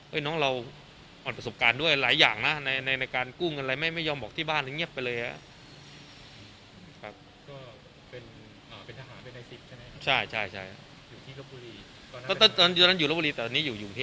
เอ๊ยน้องเราอ่อนประสบการณ์ด้วยหลายอย่างน่ะในในในการกู้งอะไรไม่ไม่ยอมบอกที่บ้าน